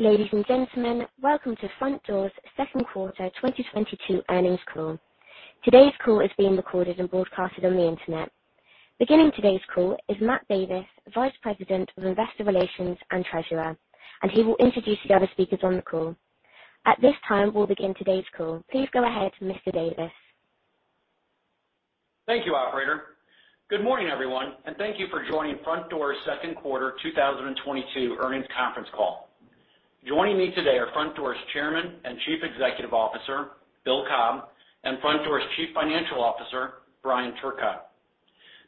Ladies and gentlemen, welcome to Frontdoor's second quarter 2022 earnings call. Today's call is being recorded and broadcasted on the Internet. Beginning today's call is Matt Davis, Vice President of Investor Relations and Treasurer, and he will introduce the other speakers on the call. At this time, we'll begin today's call. Please go ahead, Mr. Davis. Thank you, operator. Good morning, everyone, and thank you for joining Frontdoor's second quarter 2022 earnings conference call. Joining me today are Frontdoor's Chairman and Chief Executive Officer, Bill Cobb, and Frontdoor's Chief Financial Officer, Brian Turcotte.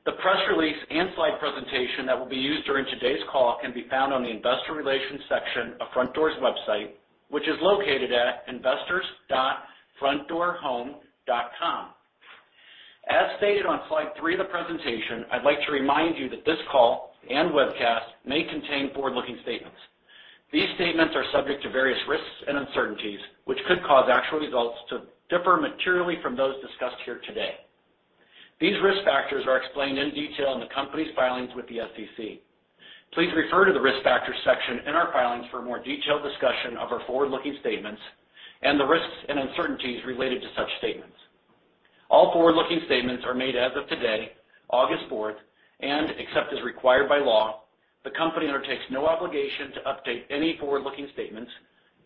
The press release and slide presentation that will be used during today's call can be found on the investor relations section of Frontdoor's website, which is located at investors.frontdoorhome.com. As stated on slide three of the presentation, I'd like to remind you that this call and webcast may contain forward-looking statements. These statements are subject to various risks and uncertainties, which could cause actual results to differ materially from those discussed here today. These risk factors are explained in detail in the company's filings with the SEC. Please refer to the Risk Factors section in our filings for a more detailed discussion of our forward-looking statements and the risks and uncertainties related to such statements. All forward-looking statements are made as of today, August fourth, and except as required by law, the company undertakes no obligation to update any forward-looking statements,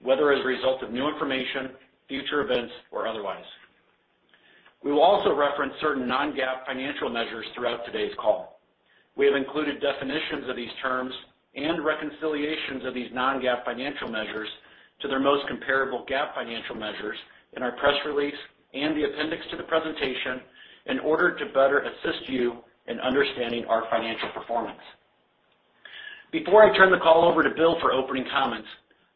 whether as a result of new information, future events, or otherwise. We will also reference certain non-GAAP financial measures throughout today's call. We have included definitions of these terms and reconciliations of these non-GAAP financial measures to their most comparable GAAP financial measures in our press release and the appendix to the presentation in order to better assist you in understanding our financial performance. Before I turn the call over to Bill for opening comments,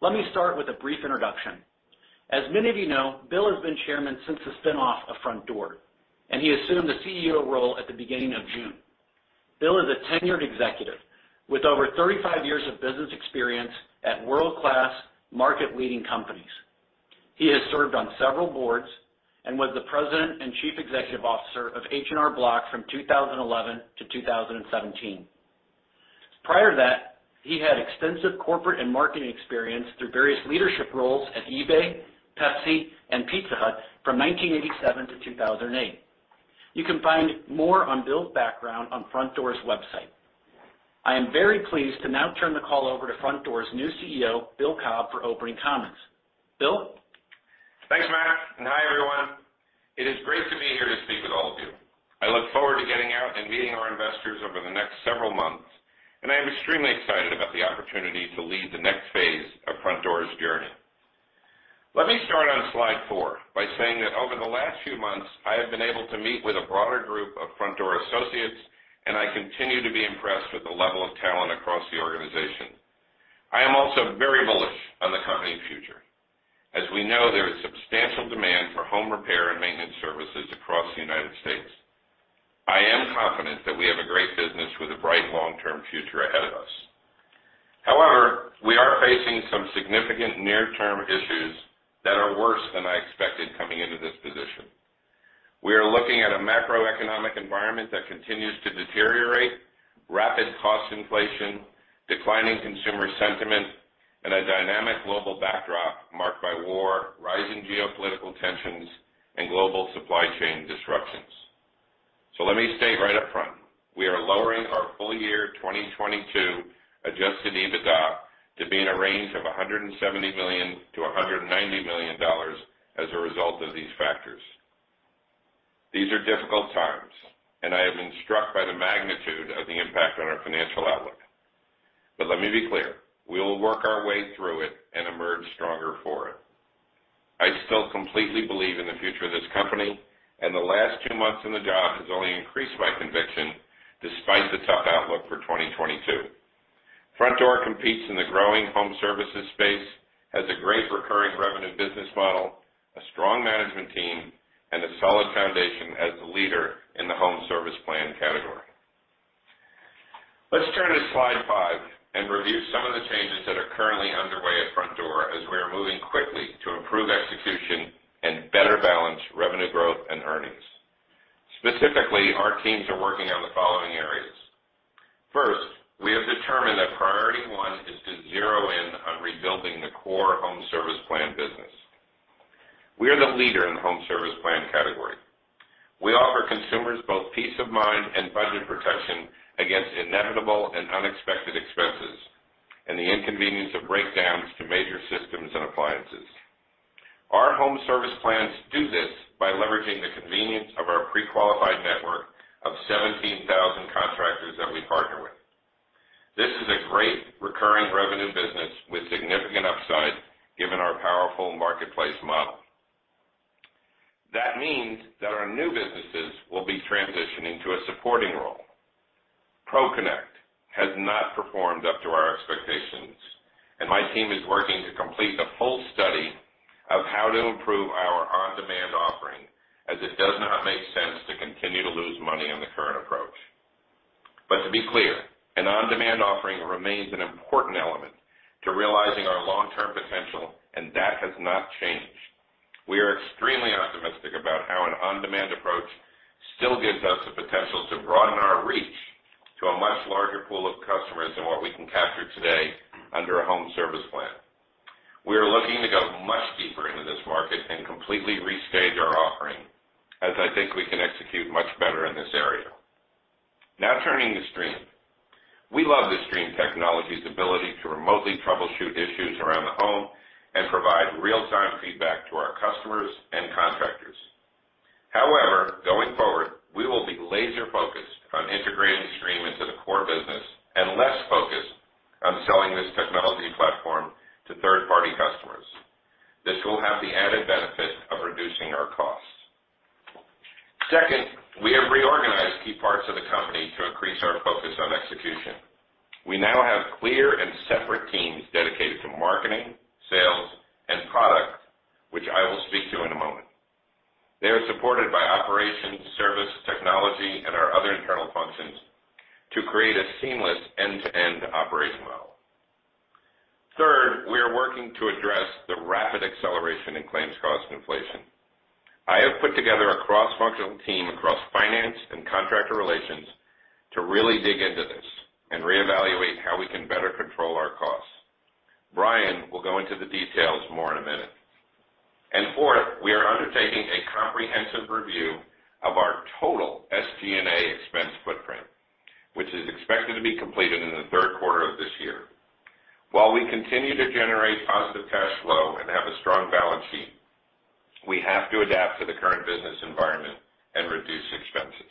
let me start with a brief introduction. As many of you know, Bill has been Chairman since the spin-off of Frontdoor, and he assumed the CEO role at the beginning of June. Bill is a tenured executive with over 35 years of business experience at world-class market-leading companies. He has served on several boards and was the President and Chief Executive Officer of H&R Block from 2011-2017. Prior to that, he had extensive corporate and marketing experience through various leadership roles at eBay, Pepsi, and Pizza Hut from 1987-2008. You can find more on Bill's background on Frontdoor's website. I am very pleased to now turn the call over to Frontdoor's new CEO, Bill Cobb, for opening comments. Bill? Thanks, Matt, and hi, everyone. It is great to be here to speak with all of you. I look forward to getting out and meeting our investors over the next several months, and I am extremely excited about the opportunity to lead the next phase of Frontdoor's journey. Let me start on slide four by saying that over the last few months, I have been able to meet with a broader group of Frontdoor associates, and I continue to be impressed with the level of talent across the organization. I am also very bullish on the company's future. As we know, there is substantial demand for home repair and maintenance services across the United States. I am confident that we have a great business with a bright long-term future ahead of us. However, we are facing some significant near-term issues that are worse than I expected coming into this position. We are looking at a macroeconomic environment that continues to deteriorate, rapid cost inflation, declining consumer sentiment, and a dynamic global backdrop marked by war, rising geopolitical tensions, and global supply chain disruptions. Let me state right up front, we are lowering our full year 2022 Adjusted EBITDA to be in a range of $170 million-$190 million as a result of these factors. These are difficult times, and I have been struck by the magnitude of the impact on our financial outlook. Let me be clear, we will work our way through it and emerge stronger for it. I still completely believe in the future of this company, and the last two months in the job has only increased my conviction despite the tough outlook for 2022. Frontdoor competes in the growing home services space, has a great recurring revenue business model, a strong management team, and a solid foundation as the leader in the home service plan category. Let's turn to slide five and review some of the changes that are currently underway at Frontdoor as we are moving quickly to improve execution and better balance revenue growth and earnings. Specifically, our teams are working on the following areas. First, we have determined that priority one is to zero in on rebuilding the core home service plan business. We are the leader in the home service plan category. We offer consumers both peace of mind and budget protection against inevitable and unexpected expenses and the inconvenience of breakdowns to major systems and appliances. Our home service plans do this by leveraging the convenience of our pre-qualified network of 17,000 contractors that we partner with. This is a great recurring revenue business with significant upside, given our powerful marketplace model. That means that our new businesses will be transitioning to a supporting role. ProConnect has not performed up to our expectations, and my team is working to complete a full study of how to improve our on-demand offering, as it does not make sense to continue to lose money on the current approach. To be clear, an on-demand offering remains an important element to realizing our long-term potential, and that has not changed. Still gives us the potential to broaden our reach to a much larger pool of customers than what we can capture today under a home service plan. We are looking to go much deeper into this market and completely restage our offering, as I think we can execute much better in this area. Now turning to Streem. We love the Streem technology's ability to remotely troubleshoot issues around the home and provide real-time feedback to our customers and contractors. However, going forward, we will be laser focused on integrating Streem into the core business and less focused on selling this technology platform to third-party customers. This will have the added benefit of reducing our costs. Second, we have reorganized key parts of the company to increase our focus on execution. We now have clear and separate teams dedicated to marketing, sales, and product, which I will speak to in a moment. They are supported by operations, service, technology, and our other internal functions to create a seamless end-to-end operating model. Third, we are working to address the rapid acceleration in claims cost inflation. I have put together a cross-functional team across finance and contractor relations to really dig into this and reevaluate how we can better control our costs. Brian will go into the details more in a minute. Fourth, we are undertaking a comprehensive review of our total SG&A expense footprint, which is expected to be completed in the third quarter of this year. While we continue to generate positive cash flow and have a strong balance sheet, we have to adapt to the current business environment and reduce expenses.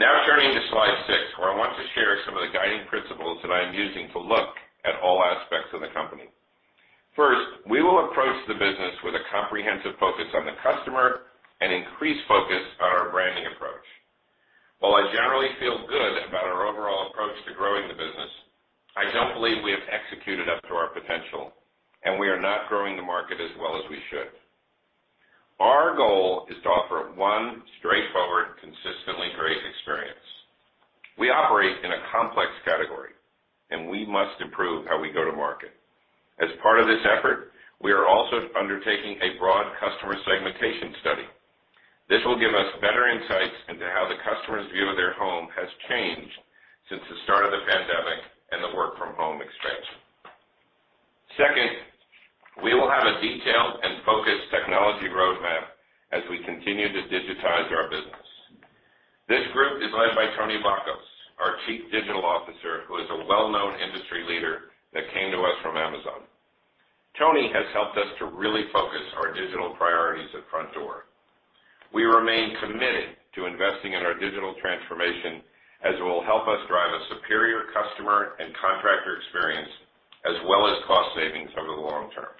Now turning to slide six, where I want to share some of the guiding principles that I am using to look at all aspects of the company. First, we will approach the business with a comprehensive focus on the customer and increased focus on our branding approach. While I generally feel good about our overall approach to growing the business, I don't believe we have executed up to our potential, and we are not growing the market as well as we should. Our goal is to offer one straightforward, consistently great experience. We operate in a complex category, and we must improve how we go to market. As part of this effort, we are also undertaking a broad customer segmentation study. This will give us better insights into how the customer's view of their home has changed since the start of the pandemic and the work from home expansion. Second, we will have a detailed and focused technology roadmap as we continue to digitize our business. This group is led by Tony Bacos, our Chief Digital Officer, who is a well-known industry leader that came to us from Amazon. Tony has helped us to really focus our digital priorities at Frontdoor. We remain committed to investing in our digital transformation as it will help us drive a superior customer and contractor experience as well as cost savings over the long term.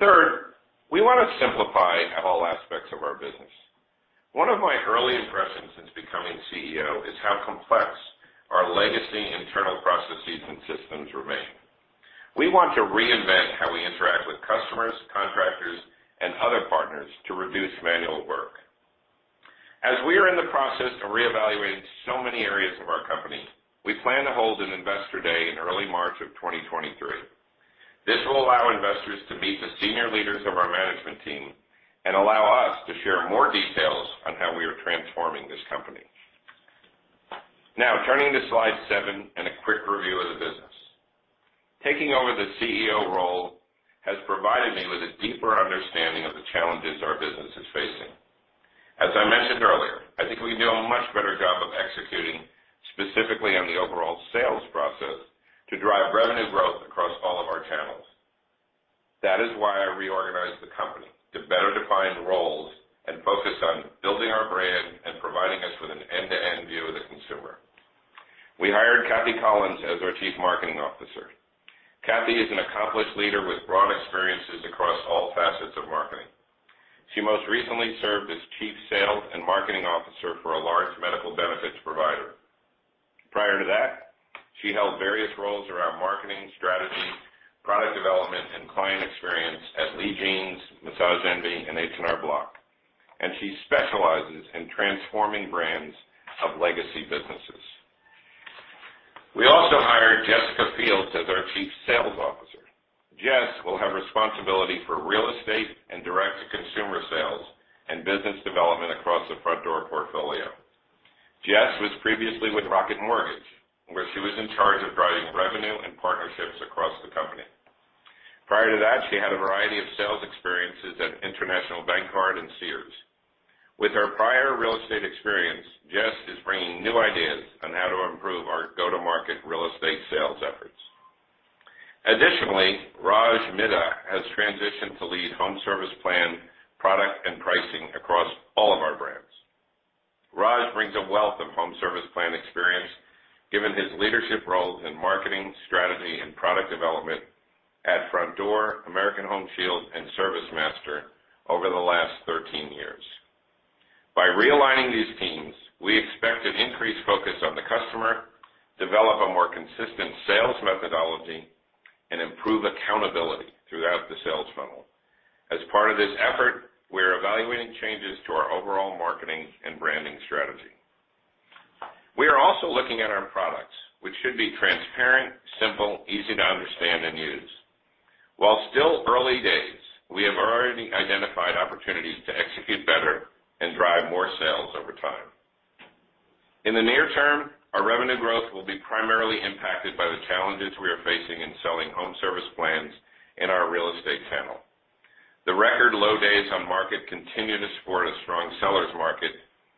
Third, we wanna simplify all aspects of our business. One of my early impressions since becoming CEO is how complex our legacy internal processes and systems remain. We want to reinvent how we interact with customers, contractors, and other partners to reduce manual work. As we are in the process of reevaluating so many areas of our company, we plan to hold an investor day in early March of 2023. This will allow investors to meet the senior leaders of our management team and allow us to share more details on how we are transforming this company. Now turning to slide seven and a quick review of the business. Taking over the CEO role has provided me with a deeper understanding of the challenges our business is facing. As I mentioned earlier, I think we can do a much better job of executing, specifically on the overall sales process, to drive revenue growth across all of our channels. That is why I reorganized the company to better define roles and focus on building our brand and providing us with an end-to-end view of the consumer. We hired Kathy Collins as our Chief Marketing Officer. Kathy is an accomplished leader with broad experiences across all facets of marketing. She most recently served as Chief Sales and Marketing Officer for a large medical benefits provider. Prior to that, she held various roles around marketing, strategy, product development, and client experience at Lee Jeans, Massage Envy, and H&R Block. She specializes in transforming brands of legacy businesses. We also hired Jessica Fields as our Chief Sales Officer. Jess will have responsibility for real estate and direct-to-consumer sales and business development across the Frontdoor portfolio. Jess was previously with Rocket Mortgage, where she was in charge of driving revenue and partnerships across the company. Prior to that, she had a variety of sales experiences at International Bancard and Sears. With her prior real estate experience, Jess is bringing new ideas on how to improve our go-to-market real estate sales efforts. Additionally, Raj Midha has transitioned to lead home service plan, product, and pricing across all of our brands. Raj brings a wealth of home service plan experience given his leadership role in marketing, strategy, and product development at Frontdoor, American Home Shield, and ServiceMaster over the last 13 years. By realigning these teams, we expect an increased focus on the customer, develop a more consistent sales methodology, and improve accountability throughout the sales funnel. As part of this effort, we are evaluating changes to our overall marketing and branding strategy. Also looking at our products, which should be transparent, simple, easy to understand and use. While still early days, we have already identified opportunities to execute better and drive more sales over time. In the near term, our revenue growth will be primarily impacted by the challenges we are facing in selling home service plans in our real estate channel. The record low days on market continue to support a strong seller's market,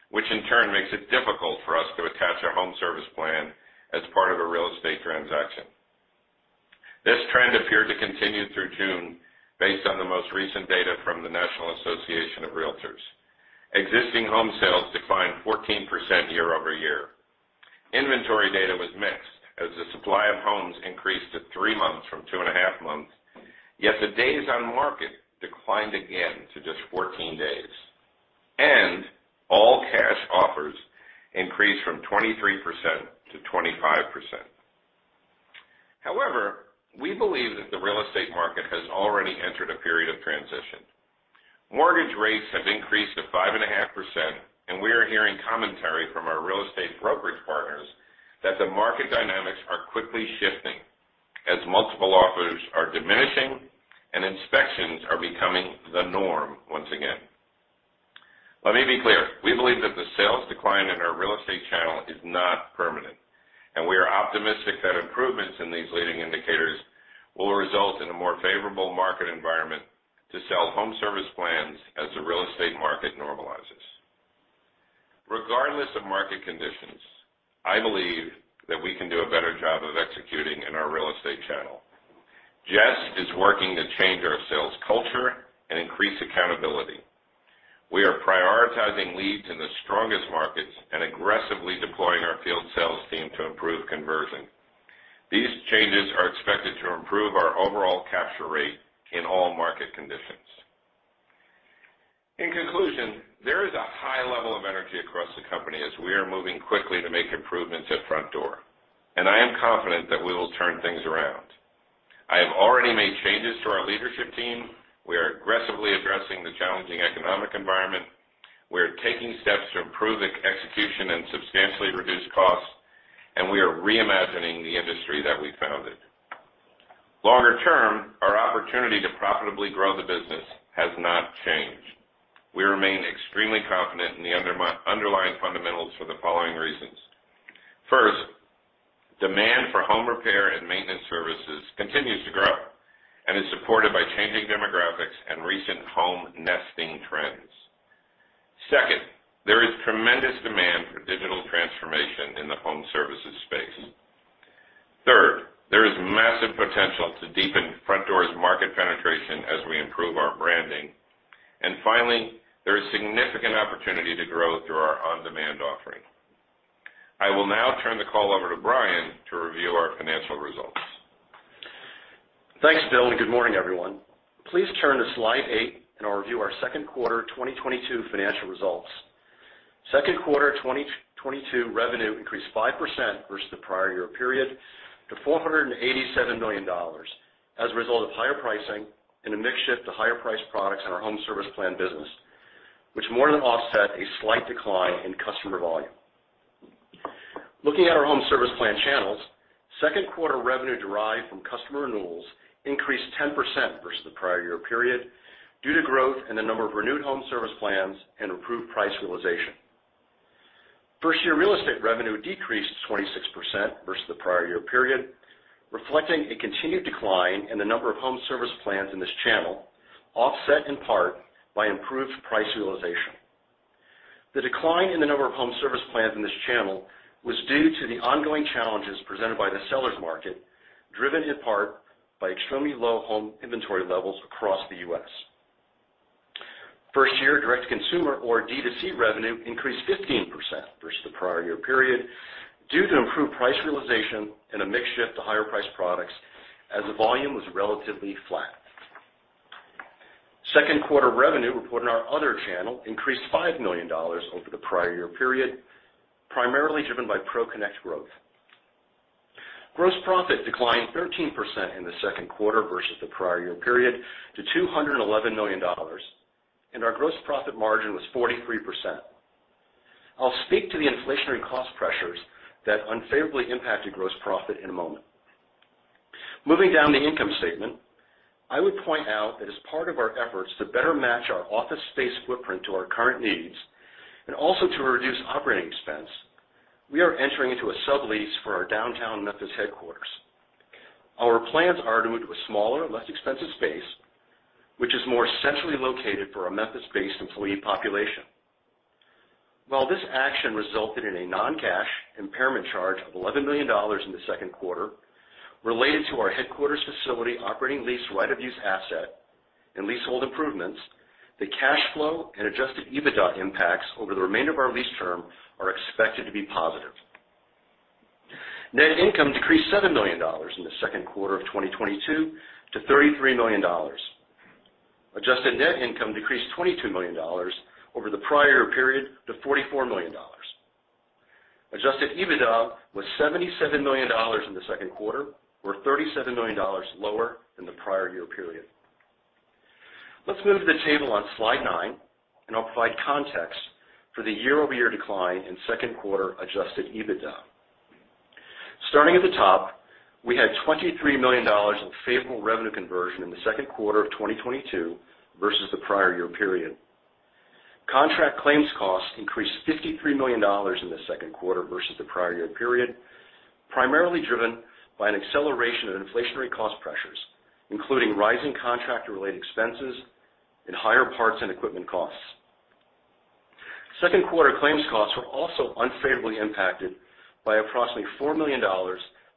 which in turn makes it difficult for us to attach a home service plan as part of a real estate transaction. This trend appeared to continue through June based on the most recent data from the National Association of Realtors. Existing home sales declined 14% year-over-year. Inventory data was mixed as the supply of homes increased to three months from 2.5 months. Yet the days on market declined again to just 14 days, and all cash offers increased from 23%-25%. However, we believe that the real estate market has already entered a period of transition. Mortgage rates have increased to 5.5%, and we are hearing commentary from our real estate brokerage partners that the market dynamics are quickly shifting as multiple offers are diminishing and inspections are becoming the norm once again. Let me be clear, we believe that the sales decline in our real estate channel is not permanent, and we are optimistic that improvements in these leading indicators will result in a more favorable market environment to sell home service plans as the real estate market normalizes. Regardless of market conditions, I believe that we can do a better job of executing in our real estate channel. Jess is working to change our sales culture and increase accountability. We are prioritizing leads in the strongest markets and aggressively deploying our field sales team to improve conversion. These changes are expected to improve our overall capture rate in all market conditions. In conclusion, there is a high level of energy across the company as we are moving quickly to make improvements at Frontdoor, and I am confident that we will turn things around. I have already made changes to our leadership team. We are aggressively addressing the challenging economic environment. We are taking steps to improve execution and substantially reduce costs, and we are reimagining the industry that we founded. Longer term, our opportunity to profitably grow the business has not changed. We remain extremely confident in the underlying fundamentals for the following reasons. First, demand for home repair and maintenance services continues to grow and is supported by changing demographics and recent home nesting trends. Second, there is tremendous demand for digital transformation in the home services space. Third, there is massive potential to deepen Frontdoor's market penetration as we improve our branding. Finally, there is significant opportunity to grow through our on-demand offering. I will now turn the call over to Brian to review our financial results. Thanks, Bill, and good morning, everyone. Please turn to slide eight, and I'll review our second quarter 2022 financial results. Second quarter 2022 revenue increased 5% versus the prior year period to $487 million as a result of higher pricing and a mix shift to higher priced products in our home service plan business, which more than offset a slight decline in customer volume. Looking at our home service plan channels, second quarter revenue derived from customer renewals increased 10% versus the prior year period due to growth in the number of renewed home service plans and improved price realization. First year real estate revenue decreased 26% versus the prior year period, reflecting a continued decline in the number of home service plans in this channel, offset in part by improved price realization. The decline in the number of home service plans in this channel was due to the ongoing challenges presented by the seller's market, driven in part by extremely low home inventory levels across the U.S. First year direct-to-consumer or D to C revenue increased 15% versus the prior year period due to improved price realization and a mix shift to higher priced products as the volume was relatively flat. Second quarter revenue reported in our other channel increased $5 million over the prior year period, primarily driven by ProConnect growth. Gross profit declined 13% in the second quarter versus the prior year period to $211 million, and our gross profit margin was 43%. I'll speak to the inflationary cost pressures that unfavorably impacted gross profit in a moment. Moving down the income statement, I would point out that as part of our efforts to better match our office space footprint to our current needs and also to reduce operating expense, we are entering into a sublease for our downtown Memphis headquarters. Our plans are to move to a smaller, less expensive space, which is more centrally located for our Memphis-based employee population. While this action resulted in a non-cash impairment charge of $11 million in the second quarter related to our headquarters facility operating lease, right-of-use asset and leasehold improvements, the cash flow and Adjusted EBITDA impacts over the remainder of our lease term are expected to be positive. Net income decreased $7 million in the second quarter of 2022 to $33 million. Adjusted net income decreased $22 million over the prior period to $44 million. Adjusted EBITDA was $77 million in the second quarter, or $37 million lower than the prior year period. Let's move to the table on slide nine, and I'll provide context for the year-over-year decline in second quarter Adjusted EBITDA. Starting at the top, we had $23 million in favorable revenue conversion in the second quarter of 2022 versus the prior year period. Contract claims costs increased $53 million in the second quarter versus the prior year period, primarily driven by an acceleration of inflationary cost pressures, including rising contractor-related expenses and higher parts and equipment costs. Second quarter claims costs were also unfavorably impacted by approximately $4 million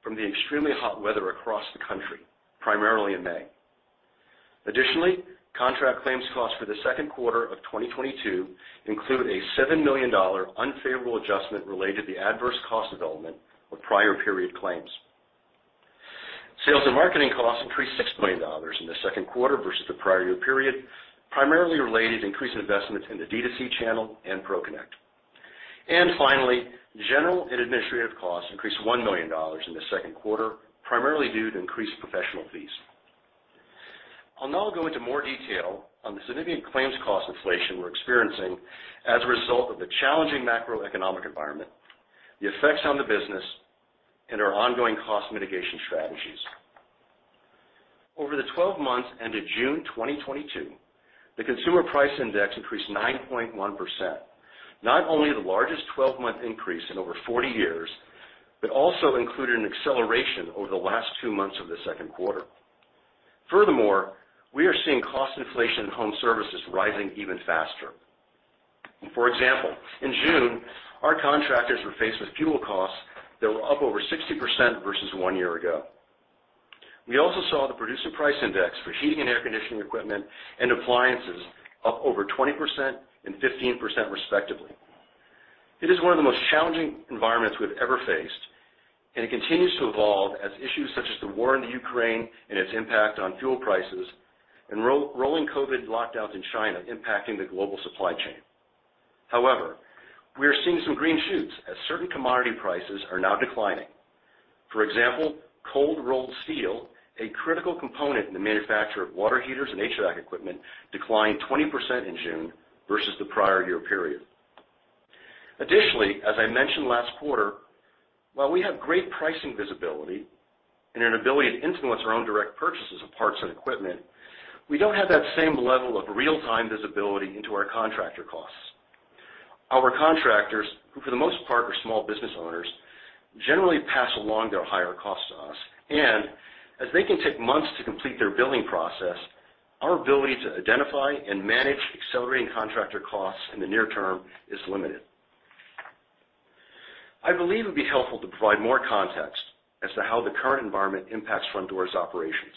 from the extremely hot weather across the country, primarily in May. Additionally, contract claims costs for the second quarter of 2022 include a $7 million unfavorable adjustment related to the adverse cost development of prior period claims. Sales and marketing costs increased $6 million in the second quarter versus the prior year period, primarily related to increased investments in the D2C channel and ProConnect. Finally, general and administrative costs increased $1 million in the second quarter, primarily due to increased professional fees. I'll now go into more detail on the significant claims cost inflation we're experiencing as a result of the challenging macroeconomic environment, the effects on the business, and our ongoing cost mitigation strategies. Over the 12 months ended June 2022, the Consumer Price Index increased 9.1%. Not only the largest 12-month increase in over 40 years, but also included an acceleration over the last two months of the second quarter. Furthermore, we are seeing cost inflation in home services rising even faster. For example, in June, our contractors were faced with fuel costs that were up over 60% versus one year ago. We also saw the Producer Price Index for heating and air conditioning equipment and appliances up over 20% and 15% respectively. It is one of the most challenging environments we've ever faced, and it continues to evolve as issues such as the war in the Ukraine and its impact on fuel prices and rolling COVID lockdowns in China impacting the global supply chain. However, we are seeing some green shoots as certain commodity prices are now declining. For example, cold rolled steel, a critical component in the manufacture of water heaters and HVAC equipment, declined 20% in June versus the prior year period. Additionally, as I mentioned last quarter, while we have great pricing visibility and an ability to influence our own direct purchases of parts and equipment, we don't have that same level of real-time visibility into our contractor costs. Our contractors, who for the most part are small business owners, generally pass along their higher costs to us. As they can take months to complete their billing process, our ability to identify and manage accelerating contractor costs in the near term is limited. I believe it'd be helpful to provide more context as to how the current environment impacts Frontdoor's operations.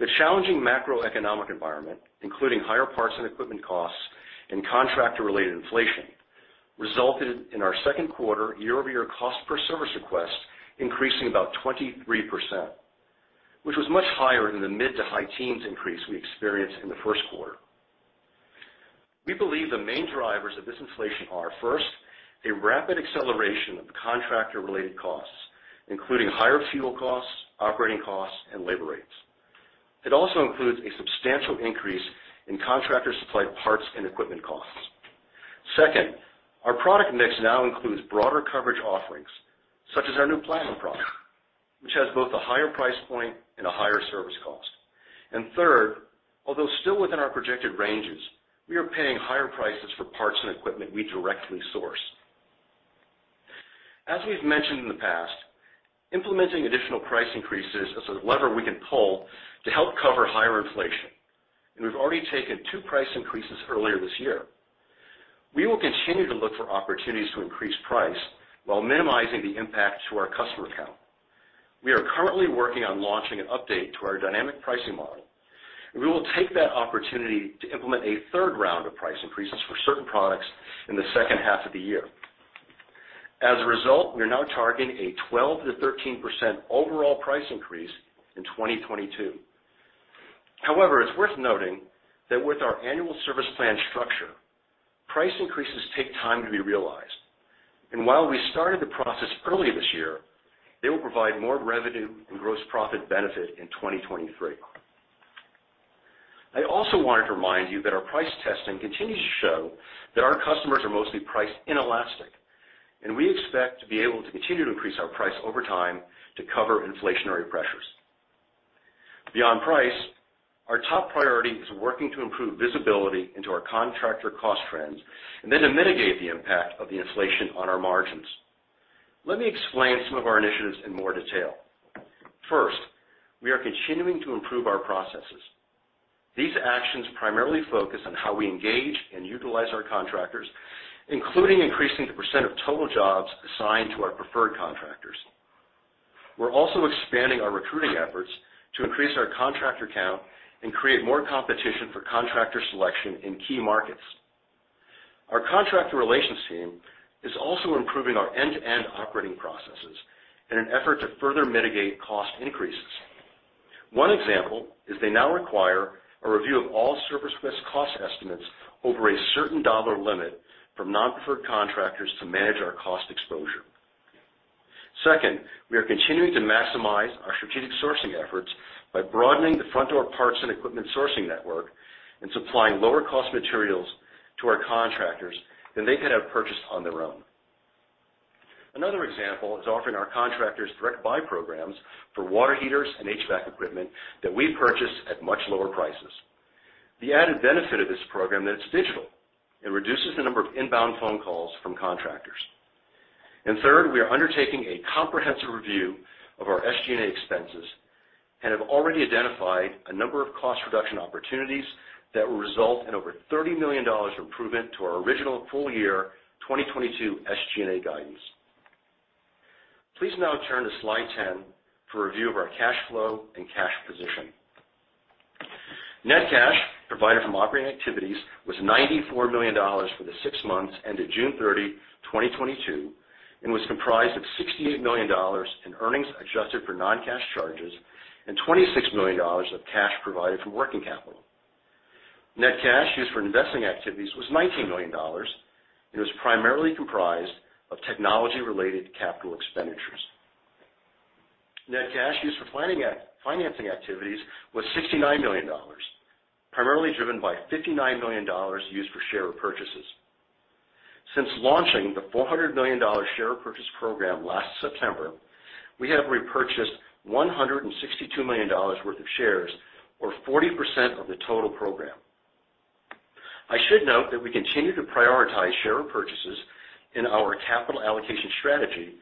The challenging macroeconomic environment, including higher parts and equipment costs and contractor-related inflation, resulted in our second quarter year-over-year cost per service request increasing about 23%, which was much higher than the mid- to high-teens increase we experienced in the first quarter. We believe the main drivers of this inflation are, first, a rapid acceleration of contractor-related costs, including higher fuel costs, operating costs, and labor rates. It also includes a substantial increase in contractor-supplied parts and equipment costs. Second, our product mix now includes broader coverage offerings, such as our new Platinum product, which has both a higher price point and a higher service cost. Third, although still within our projected ranges, we are paying higher prices for parts and equipment we directly source. As we've mentioned in the past, implementing additional price increases is a lever we can pull to help cover higher inflation, and we've already taken two price increases earlier this year. We will continue to look for opportunities to increase price while minimizing the impact to our customer count. We are currently working on launching an update to our dynamic pricing model, and we will take that opportunity to implement a third round of price increases for certain products in the second half of the year. As a result, we are now targeting a 12%-13% overall price increase in 2022. However, it's worth noting that with our annual service plan structure, price increases take time to be realized. While we started the process earlier this year, they will provide more revenue and gross profit benefit in 2023. I also wanted to remind you that our price testing continues to show that our customers are mostly price inelastic, and we expect to be able to continue to increase our price over time to cover inflationary pressures. Beyond price, our top priority is working to improve visibility into our contractor cost trends and then to mitigate the impact of the inflation on our margins. Let me explain some of our initiatives in more detail. First, we are continuing to improve our processes. These actions primarily focus on how we engage and utilize our contractors, including increasing the percent of total jobs assigned to our preferred contractors. We're also expanding our recruiting efforts to increase our contractor count and create more competition for contractor selection in key markets. Our contractor relations team is also improving our end-to-end operating processes in an effort to further mitigate cost increases. One example is they now require a review of all service request cost estimates over a certain dollar limit from non-preferred contractors to manage our cost exposure. Second, we are continuing to maximize our strategic sourcing efforts by broadening the Frontdoor parts and equipment sourcing network and supplying lower cost materials to our contractors than they could have purchased on their own. Another example is offering our contractors direct buy programs for water heaters and HVAC equipment that we purchase at much lower prices. The added benefit of this program that it's digital and reduces the number of inbound phone calls from contractors. Third, we are undertaking a comprehensive review of our SG&A expenses and have already identified a number of cost reduction opportunities that will result in over $30 million improvement to our original full year 2022 SG&A guidance. Please now turn to slide 10 for a review of our cash flow and cash position. Net cash provided from operating activities was $94 million for the six months ended June 30, 2022, and was comprised of $68 million in earnings adjusted for non-cash charges, and $26 million of cash provided from working capital. Net cash used for investing activities was $19 million. It was primarily comprised of technology related capital expenditures. Net cash used for financing activities was $69 million, primarily driven by $59 million used for share purchases. Since launching the $400 million share purchase program last September, we have repurchased $162 million worth of shares, or 40% of the total program. I should note that we continue to prioritize share repurchases in our capital allocation strategy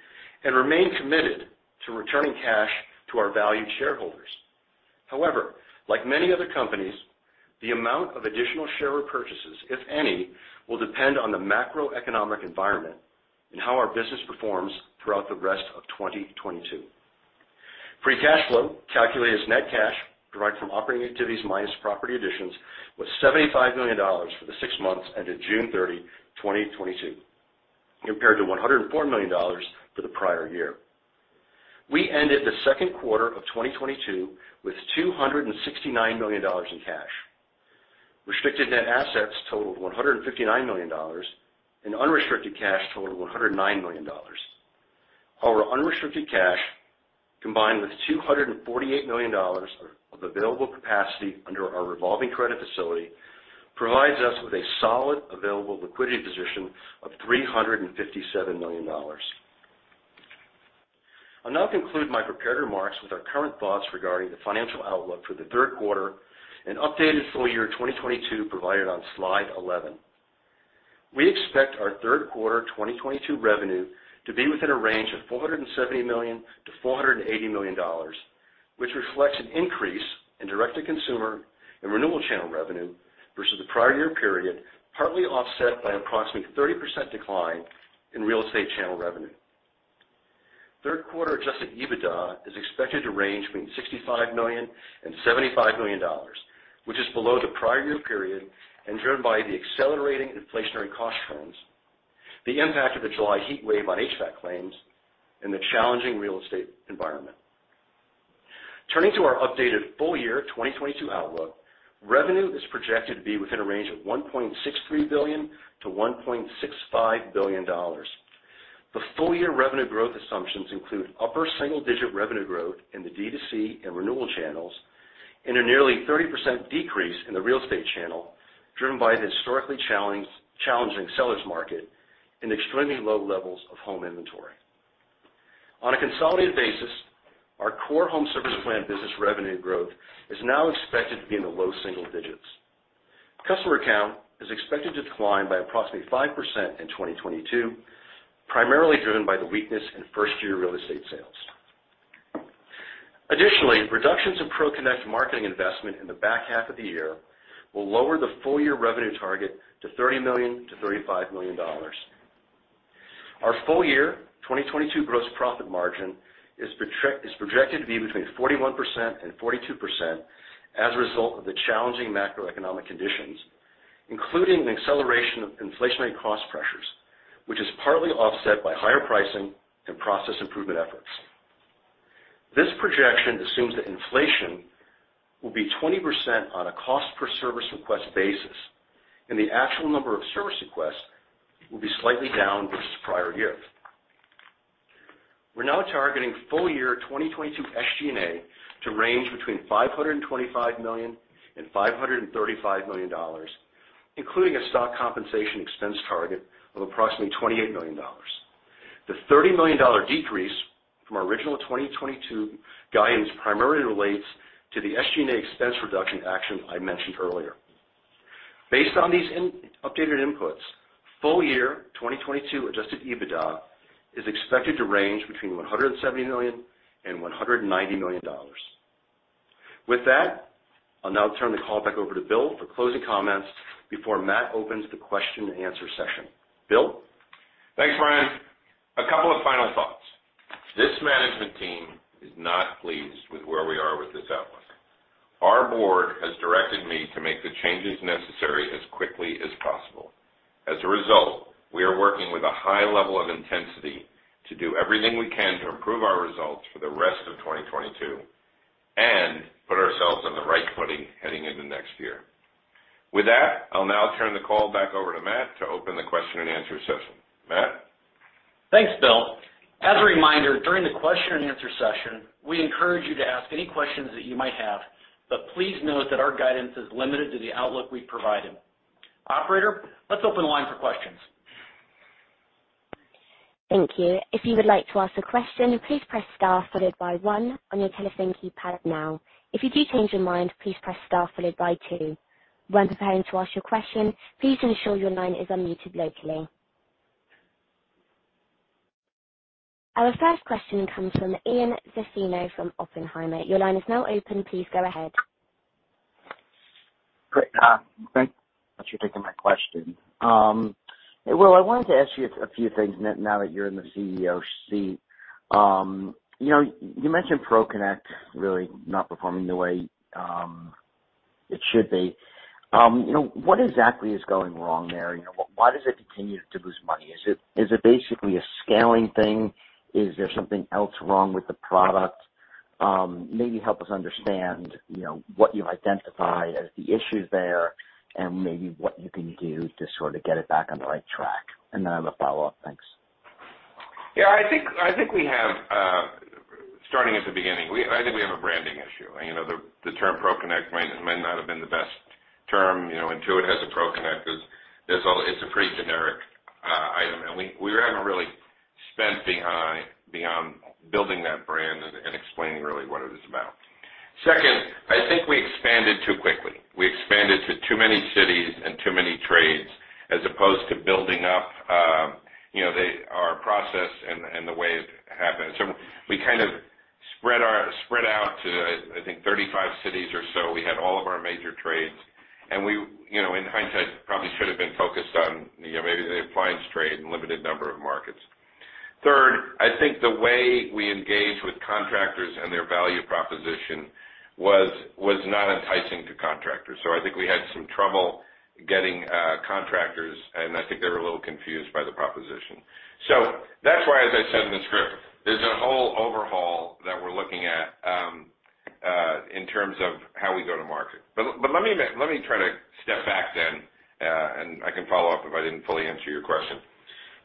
and remain committed to returning cash to our valued shareholders. However, like many other companies, the amount of additional share repurchases, if any, will depend on the macroeconomic environment and how our business performs throughout the rest of 2022. Free Cash Flow, calculated as net cash provided from operating activities minus property additions, was $75 million for the six months ended June 30, 2022, compared to $104 million for the prior year. We ended the second quarter of 2022 with $269 million in cash. Restricted net assets totaled $159 million, and unrestricted cash totaled $109 million. Our unrestricted cash, combined with $248 million of available capacity under our revolving credit facility, provides us with a solid available liquidity position of $357 million. I'll now conclude my prepared remarks with our current thoughts regarding the financial outlook for the third quarter and updated full-year 2022 provided on slide 11. We expect our third quarter 2022 revenue to be within a range of $470 million-$480 million, which reflects an increase in direct-to-consumer and renewal channel revenue versus the prior year period, partly offset by an approximate 30% decline in real estate channel revenue. Third quarter Adjusted EBITDA is expected to range between $65 million and $75 million, which is below the prior year period and driven by the accelerating inflationary cost trends, the impact of the July heat wave on HVAC claims, and the challenging real estate environment. Turning to our updated full-year 2022 outlook, revenue is projected to be within a range of $1.63 billion-$1.65 billion. The full-year revenue growth assumptions include upper single-digit revenue growth in the D2C and renewal channels, and a nearly 30% decrease in the real estate channel, driven by the historically challenging seller's market and extremely low levels of home inventory. On a consolidated basis, our core home service plan business revenue growth is now expected to be in the low single digits. Customer count is expected to decline by approximately 5% in 2022, primarily driven by the weakness in first year real estate sales. Additionally, reductions in ProConnect marketing investment in the back half of the year will lower the full year revenue target to $30 million-$35 million. Our full year 2022 gross profit margin is projected to be between 41% and 42% as a result of the challenging macroeconomic conditions, including an acceleration of inflationary cost pressures, which is partly offset by higher pricing and process improvement efforts. This projection assumes that inflation will be 20% on a cost per service request basis, and the actual number of service requests will be slightly down versus prior years. We're now targeting full year 2022 SG&A to range between $525 million and $535 million, including a stock compensation expense target of approximately $28 million. The $30 million decrease from our original 2022 guidance primarily relates to the SG&A expense reduction action I mentioned earlier. Based on these updated inputs, full year 2022 Adjusted EBITDA is expected to range between $170 million and $190 million. With that, I'll now turn the call back over to Bill for closing comments before Matt opens the question and answer session. Bill? Thanks, Brian. A couple of final thoughts. This management team is not pleased with where we are with this outlook. Our board has directed me to make the changes necessary as quickly as possible. As a result, we are working with a high level of intensity to do everything we can to improve 2022, and put ourselves on the right footing heading into next year. With that, I'll now turn the call back over to Matt to open the question and answer session. Matt? Thanks, Bill. As a reminder, during the question and answer session, we encourage you to ask any questions that you might have, but please note that our guidance is limited to the outlook we've provided. Operator, let's open the line for questions. Thank you. If you would like to ask a question, please press star followed by one on your telephone keypad now. If you do change your mind, please press star followed by two. When preparing to ask your question, please ensure your line is unmuted locally. Our first question comes from Ian Zaffino from Oppenheimer. Your line is now open. Please go ahead. Great. Thanks for taking my question. Well, I wanted to ask you a few things now that you're in the CEO seat. You know, you mentioned ProConnect really not performing the way it should be. You know, what exactly is going wrong there? You know, why does it continue to lose money? Is it basically a scaling thing? Is there something else wrong with the product? Maybe help us understand, you know, what you identified as the issue there and maybe what you can do to sort of get it back on the right track. Then I have a follow-up. Thanks. Yeah, I think starting at the beginning, I think we have a branding issue. You know, the term ProConnect may not have been the best term. You know, Intuit has a ProConnect. There's. It's a pretty generic item. And we haven't really spent beyond building that brand and explaining really what it is about. Second, I think we expanded too quickly. We expanded to too many cities and too many trades as opposed to building up, you know, our process and the way it happened. So we kind of spread out to, I think, 35 cities or so. We had all of our major trades. In hindsight, probably should have been focused on, you know, maybe the appliance trade and limited number of markets. Third, I think the way we engaged with contractors and their value proposition was not enticing to contractors. I think we had some trouble getting contractors, and I think they were a little confused by the proposition. That's why, as I said in the script, there's a whole overhaul that we're looking at in terms of how we go to market. Let me try to step back then, and I can follow up if I didn't fully answer your question.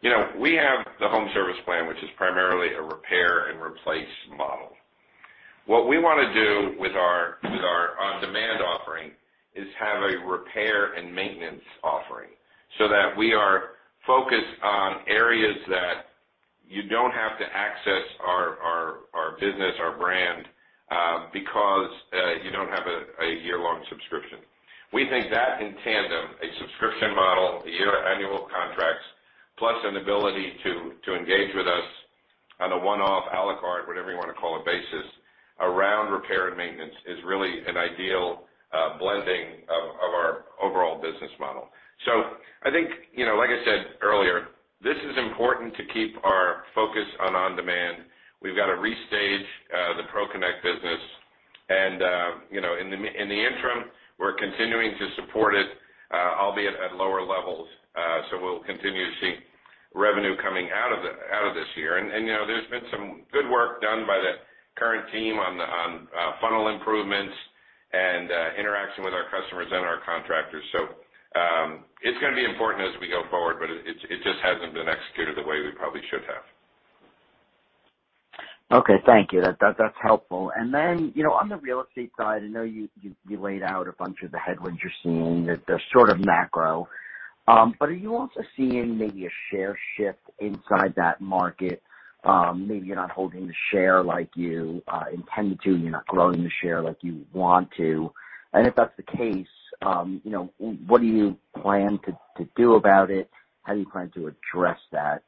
You know, we have the home service plan, which is primarily a repair and replace model. What we wanna do with our on-demand offering is have a repair and maintenance offering so that we are focused on areas that you don't have to access our business, our brand, because you don't have a year-long subscription. We think that in tandem, a subscription model, a year annual contracts, plus an ability to engage with us on a one-off, à la carte, whatever you wanna call it, basis around repair and maintenance is really an ideal blending of our overall business model. I think, you know, like I said earlier, this is important to keep our focus on on-demand. We've got to restage the ProConnect business and, you know, in the interim, we're continuing to support it, albeit at lower levels. We'll continue to see revenue coming out of this year. You know, there's been some good work done by the current team on funnel improvements and interaction with our customers and our contractors. It's gonna be important as we go forward, but it just hasn't been executed the way we probably should have. Okay. Thank you. That's helpful. Then, you know, on the real estate side, I know you laid out a bunch of the headwinds you're seeing. They're sort of macro. But are you also seeing maybe a share shift inside that market? Maybe you're not holding the share like you intended to, and you're not growing the share like you want to. And if that's the case, you know, what do you plan to do about it? How do you plan to address that?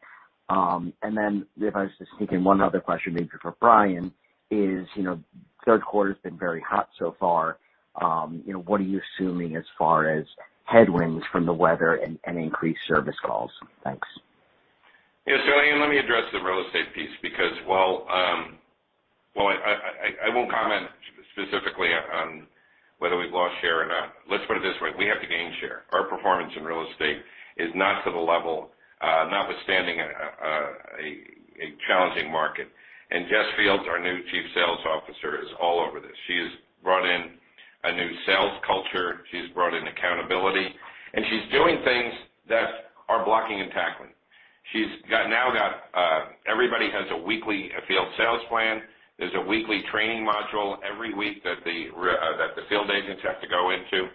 And then if I was to sneak in one other question, maybe for Brian, you know, third quarter's been very hot so far. You know, what are you assuming as far as headwinds from the weather and increased service calls? Thanks. Yeah. Ian Zaffino, let me address the real estate piece because while I won't comment specifically on whether we've lost share or not. Let's put it this way, we have to gain share. Our performance in real estate is not to the level, notwithstanding a challenging market. Jess Fields, our new Chief Sales Officer, is all over this. She has brought in a new sales culture, she's brought in accountability, and she's doing things that are blocking and tackling. She's now got everybody has a weekly field sales plan. There's a weekly training module every week that the field agents have to go into.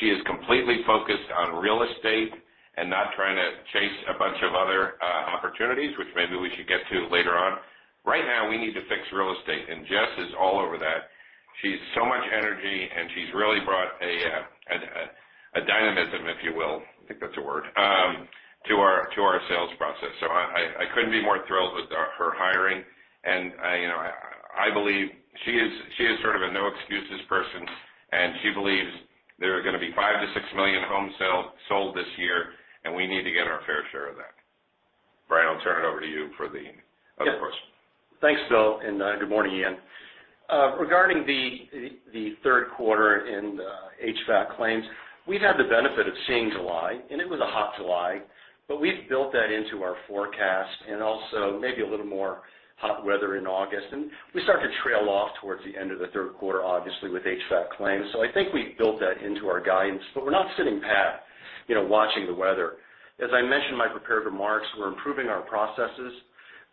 She is completely focused on real estate and not trying to chase a bunch of other opportunities, which maybe we should get to later on. Right now, we need to fix real estate, and Jess is all over that. She's so much energy, and she's really brought a dynamism, if you will, I think that's a word, to our sales process. I couldn't be more thrilled with her hiring. You know, I believe she is sort of a no excuses person, and she believes there are gonna be 5-6 million homes sold this year, and we need to get our fair share of that. Brian, I'll turn it over to you for the other question. Yeah. Thanks, Bill, and good morning, Ian. Regarding the third quarter in the HVAC claims, we've had the benefit of seeing July, and it was a hot July, but we've built that into our forecast and also maybe a little more hot weather in August. We start to trail off towards the end of the third quarter, obviously, with HVAC claims. I think we've built that into our guidance. We're not sitting pat, you know, watching the weather. As I mentioned in my prepared remarks, we're improving our processes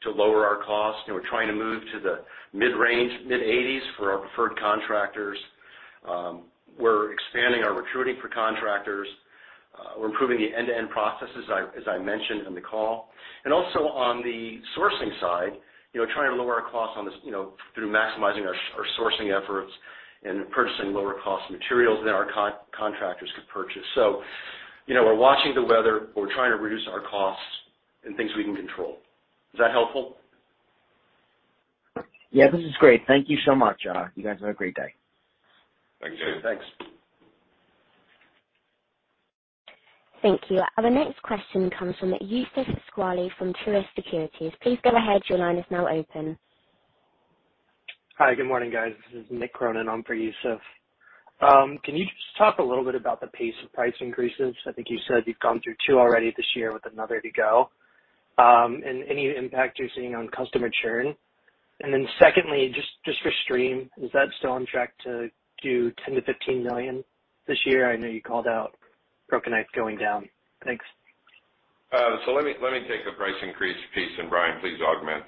to lower our costs. You know, we're trying to move to the mid-range, mid-80s for our preferred contractors. We're expanding our recruiting for contractors. We're improving the end-to-end processes as I mentioned in the call. Also on the sourcing side, you know, trying to lower our costs on this, you know, through maximizing our sourcing efforts and purchasing lower cost materials that our contractors could purchase. You know, we're watching the weather. We're trying to reduce our costs and things we can control. Is that helpful? Yeah, this is great. Thank you so much. You guys have a great day. Thank you. Thanks. Thank you. Our next question comes from Youssef Squali from Truist Securities. Please go ahead. Your line is now open. Hi. Good morning, guys. This is Nick Cronin on for Youssef Squali. Can you just talk a little bit about the pace of price increases? I think you said you've gone through two already this year with another to go. And any impact you're seeing on customer churn. Secondly, just for Streem, is that still on track to do $10 million-$15 million this year? I know you called out bookings going down. Thanks. Let me take the price increase piece, and Brian, please augment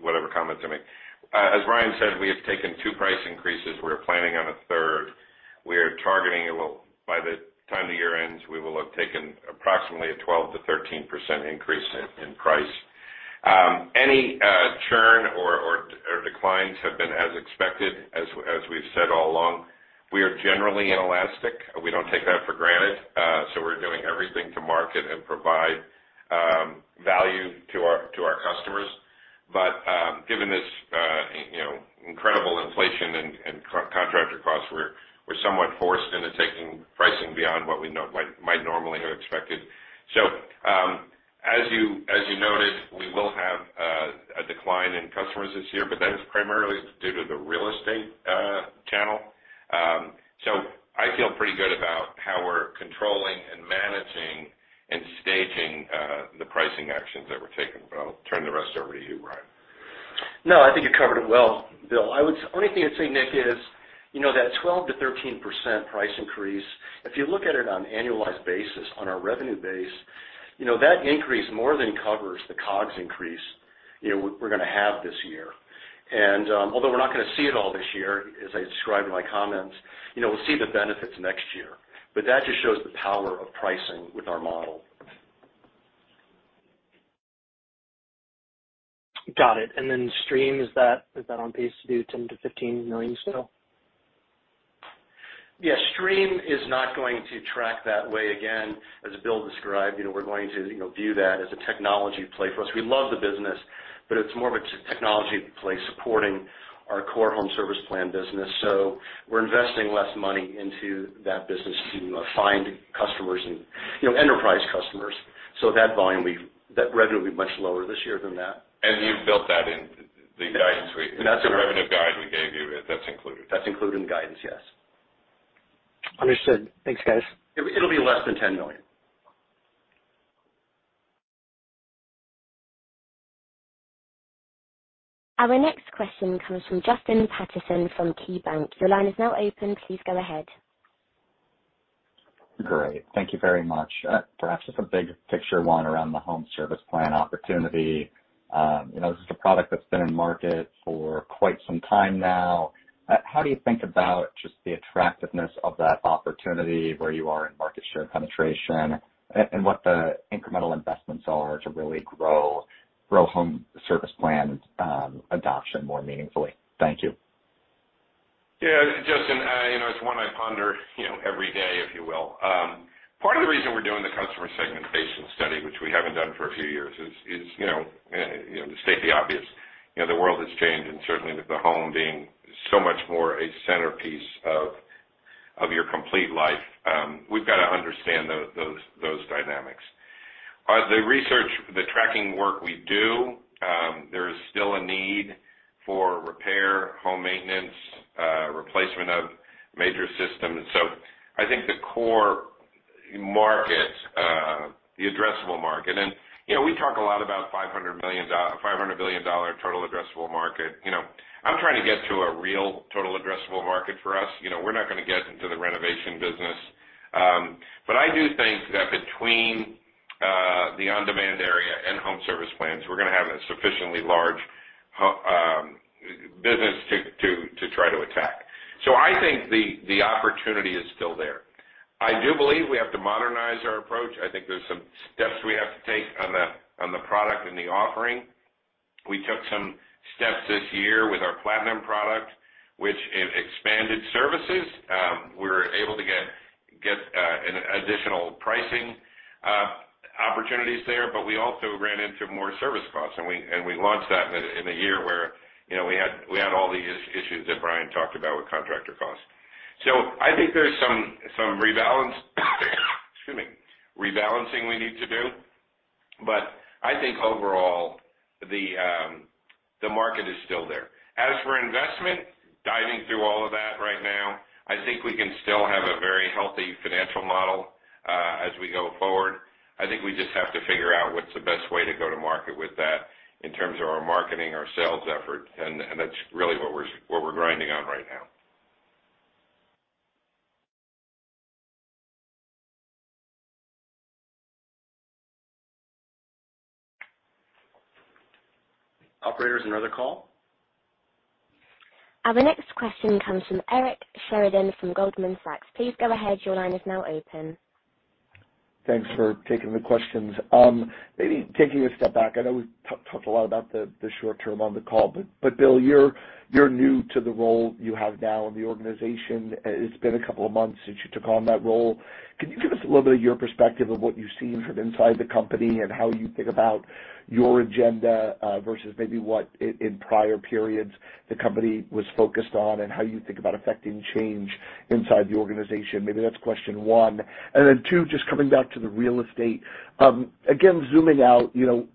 whatever comment I make. As Brian said, we have taken two price increases. We're planning on a third. We are targeting by the time the year ends, we will have taken approximately a 12%-13% increase in price. Any churn or declines have been as expected as we've said all along. We are generally inelastic. We don't take that for granted. We're doing everything to market and provide value to our customers. Given this incredible inflation and contractor costs, we're somewhat forced into taking pricing beyond what we might normally have expected. As you, as you noted, we will have a decline in customers this year, but that is primarily due to the real estate channel. I feel pretty good about how we're controlling and managing and staging the pricing actions that we're taking. I'll turn the rest over to you, Brian. No, I think you covered it well, Bill. Only thing I'd say, Nick, is, you know, that 12%-13% price increase, if you look at it on annualized basis on our revenue base, you know, that increase more than covers the COGS increase, you know, we're gonna have this year. Although we're not gonna see it all this year, as I described in my comments, you know, we'll see the benefits next year. That just shows the power of pricing with our model. Got it. Streem, is that on pace to do $10 million-$15 million still? Yeah. Streem is not going to track that way. Again, as Bill described, you know, we're going to, you know, view that as a technology play for us. We love the business, but it's more of a technology play supporting our core home service plan business. So we're investing less money into that business to, you know, find customers and, you know, enterprise customers. So that revenue will be much lower this year than that. You've built that in the guidance we That's correct. The revenue guide we gave you, that's included. That's included in the guidance, yes. Understood. Thanks, guys. It'll be less than $10 million. Our next question comes from Justin Patterson from KeyBank. Your line is now open. Please go ahead. Great. Thank you very much. Perhaps just a big picture one around the home service plan opportunity. You know, this is a product that's been in market for quite some time now. How do you think about just the attractiveness of that opportunity, where you are in market share penetration and what the incremental investments are to really grow home service plan adoption more meaningfully? Thank you. Yeah, Justin, you know, it's one I ponder, you know, every day, if you will. Part of the reason we're doing the customer segmentation study, which we haven't done for a few years, is you know, to state the obvious, you know, the world has changed, and certainly with the home being so much more a centerpiece of your complete life, we've gotta understand those dynamics. The research, the tracking work we do, there is still a need for repair, home maintenance, replacement of major systems. So I think the core market, the addressable market. You know, we talk a lot about $500 billion total addressable market. You know, I'm trying to get to a real total addressable market for us. You know, we're not gonna get into the renovation business. But I do think that between the on-demand area and home service plans, we're gonna have a sufficiently large business to try to attack. I think the opportunity is still there. I do believe we have to modernize our approach. I think there's some steps we have to take on the product and the offering. We took some steps this year with our platinum product, which it expanded services. We were able to get an additional pricing opportunities there, but we also ran into more service costs, and we launched that in a year where, you know, we had all these issues that Brian talked about with contractor costs. I think there's some rebalancing we need to do. Excuse me. I think overall the market is still there. As for investment, diving through all of that right now, I think we can still have a very healthy financial model, as we go forward. I think we just have to figure out what's the best way to go to market with that in terms of our marketing, our sales effort. That's really what we're grinding on right now. Operator, is there another call? Our next question comes from Eric Sheridan from Goldman Sachs. Please go ahead. Your line is now open. Thanks for taking the questions. Maybe taking a step back, I know we talked a lot about the short term on the call. But Bill, you're new to the role you have now in the organization. It's been a couple of months since you took on that role. Can you give us a little bit of your perspective of what you've seen from inside the company and how you think about your agenda versus maybe what in prior periods the company was focused on, and how you think about affecting change inside the organization? Maybe that's question one. Then two, just coming back to the real estate. Again, zooming out, you know,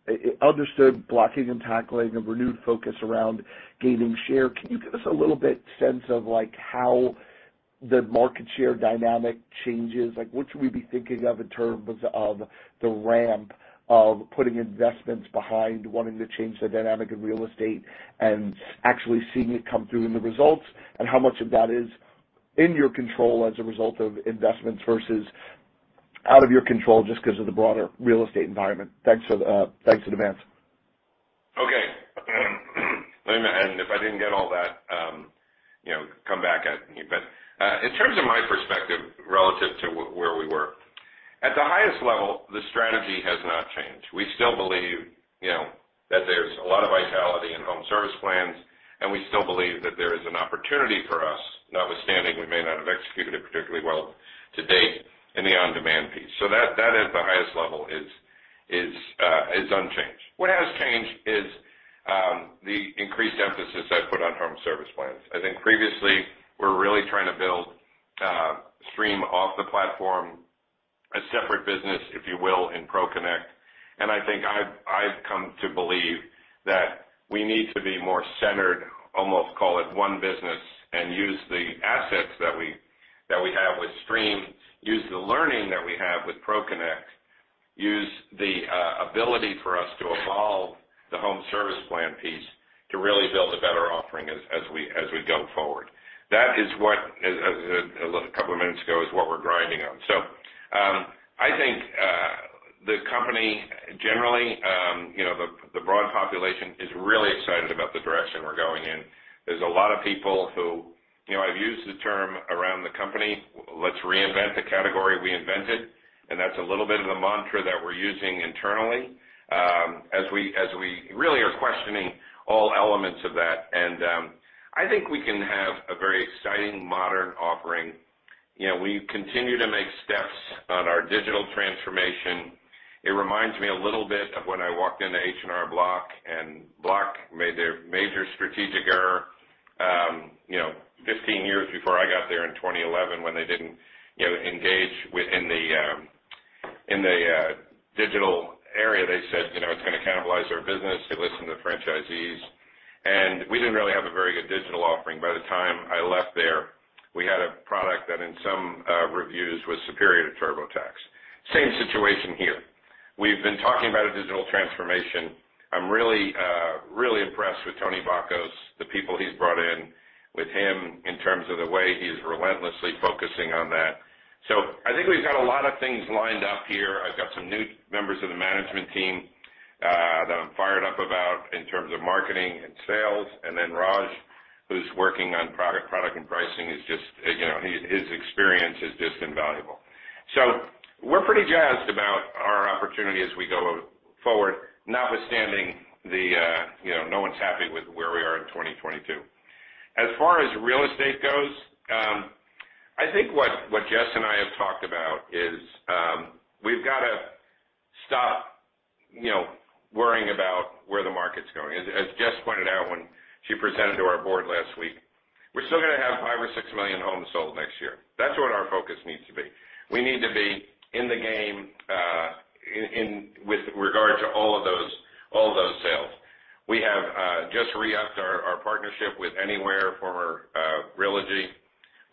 understood blocking and tackling, a renewed focus around gaining share. Can you give us a little bit of sense of, like, how the market share dynamic changes? Like, what should we be thinking of in terms of the ramp of putting investments behind wanting to change the dynamic in real estate and actually seeing it come through in the results? How much of that is in your control as a result of investments versus out of your control just 'cause of the broader real estate environment? Thanks, thanks in advance. Okay. If I didn't get all that, you know, come back at me. In terms of my perspective relative to where we were, at the highest level, the strategy has not changed. We still believe, you know, that there's a lot of vitality in home service plans, and we still believe that there is an opportunity for us, notwithstanding we may not have executed particularly well to date, in the on-demand piece. That at the highest level is unchanged. What has changed is the increased emphasis I've put on home service plans. I think previously we were really trying to build Streem off the platform, a separate business, if you will, in ProConnect. I think I've come to believe that we need to be more centered, almost call it one business, and use the assets that we have with Streem, use the learning that we have with ProConnect, use the ability for us to evolve the home service plan piece to really build a better offering as we go forward. That is what, as a couple of minutes ago, is what we're grinding on. I think the company generally you know the broad population is really excited about the direction we're going in. There's a lot of people who you know I've used the term around the company, "Let's reinvent the category we invented." That's a little bit of a mantra that we're using internally as we really are questioning all elements of that. I think we can have a very exciting modern offering. You know, we continue to make steps on our digital transformation. It reminds me a little bit of when I walked into H&R Block, and Block made their major strategic error, you know, 15 years before I got there in 2011, when they didn't, you know, engage in the digital area. They said, you know, it's gonna cannibalize their business. They listened to franchisees. We didn't really have a very good digital offering. By the time I left there, we had a product that in some reviews was superior to TurboTax. Same situation here. We've been talking about a digital transformation. I'm really impressed with Tony Bacos, the people he's brought in with him in terms of the way he is relentlessly focusing on that. I think we've got a lot of things lined up here. I've got some new members of the management team that I'm fired up about in terms of marketing and sales. Raj, who's working on product and pricing, is just, you know, his experience is just invaluable. We're pretty jazzed about our opportunity as we go forward, notwithstanding the, you know, no one's happy with where we are in 2022. As far as real estate goes, I think what Jess and I have talked about is, we've gotta stop, you know, worrying about where the market's going. As Jess pointed out when she presented to our board last week, we're still gonna have 5 or 6 million homes sold next year. That's what our focus needs to be. We need to be in the game with regard to all of those sales. We have just re-upped our partnership with Anywhere, formerly Realogy.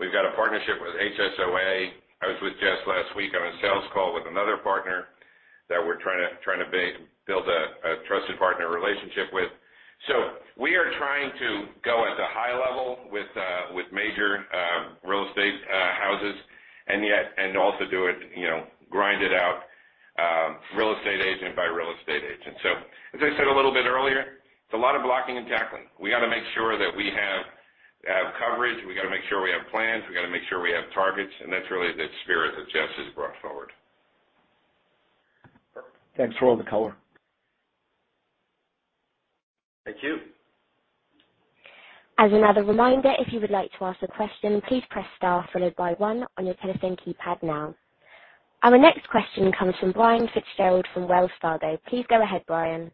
We've got a partnership with HSA. I was with Jess last week on a sales call with another partner that we're trying to build a trusted partner relationship with. We are trying to go at the high level with major real estate houses and yet and also do it, you know, grind it out, real estate agent by real estate agent. As I said a little bit earlier, it's a lot of blocking and tackling. We gotta make sure that we have coverage, we gotta make sure we have plans, we gotta make sure we have targets, and that's really the spirit that Jess has brought forward. Thanks for all the color. Thank you. As another reminder, if you would like to ask a question, please press star followed by one on your telephone keypad now. Our next question comes from Brian Fitzgerald from Wells Fargo. Please go ahead, Brian.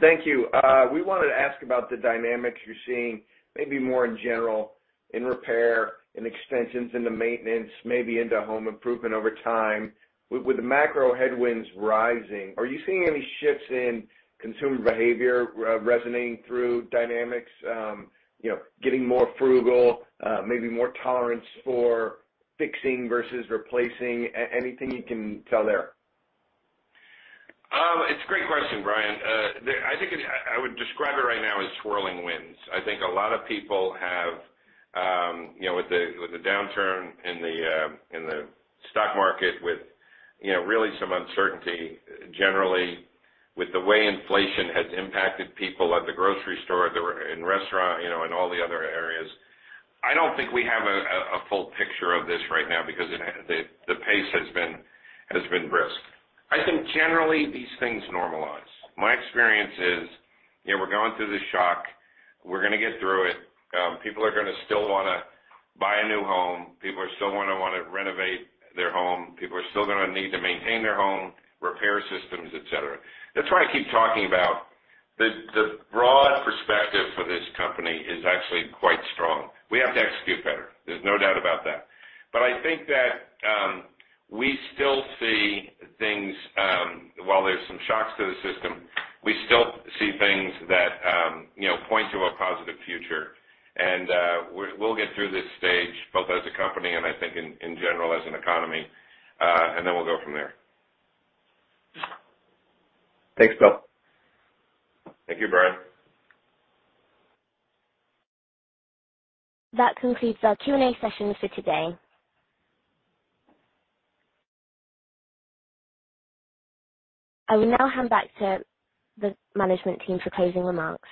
Thank you. We wanted to ask about the dynamics you're seeing maybe more in general in repair and extensions into maintenance, maybe into home improvement over time. With the macro headwinds rising, are you seeing any shifts in consumer behavior, resonating through dynamics, you know, getting more frugal, maybe more tolerance for fixing versus replacing? Anything you can tell there? It's a great question, Brian. I would describe it right now as swirling winds. I think a lot of people have, you know, with the, with the downturn in the, in the stock market with, you know, really some uncertainty generally with the way inflation has impacted people at the grocery store, in restaurant, you know, and all the other areas. I don't think we have a full picture of this right now because the pace has been brisk. I think generally these things normalize. My experience is, you know, we're going through the shock. We're gonna get through it. People are gonna still wanna buy a new home. People are still gonna wanna renovate their home. People are still gonna need to maintain their home, repair systems, et cetera. That's why I keep talking about the broad perspective for this company is actually quite strong. We have to execute better. There's no doubt about that. But I think that we still see things while there's some shocks to the system, we still see things that you know point to a positive future. We'll get through this stage both as a company and I think in general as an economy. Then we'll go from there. Thanks, Bill. Thank you, Brian. That concludes our Q&A session for today. I will now hand back to the management team for closing remarks.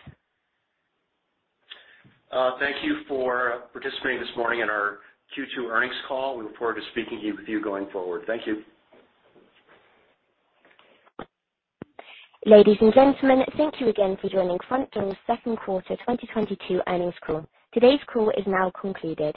Thank you for participating this morning in our Q2 earnings call. We look forward to speaking with you going forward. Thank you. Ladies and gentlemen, thank you again for joining Frontdoor's second quarter 2022 earnings call. Today's call is now concluded.